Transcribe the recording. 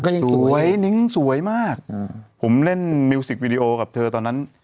ยังสวยนิ้งสวยมากผมเล่นมิวสิกวิดีโอกับเธอตอนนั้น